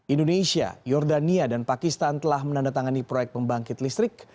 indonesia jordania dan pakistan telah menandatangani proyek pembangkit listrik